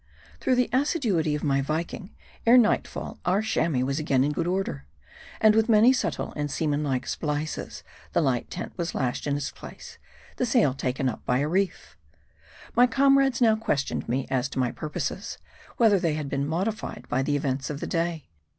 THROUGH the assiduity of my Viking, ere nightfall our Chamois was again in good order. And with many subtle and seamanlike splices the light tent was lashed in its place ; the sail taken up by a reef. My comrades now questioned me, as to my purposes ; whether they had been modified by the events of the day.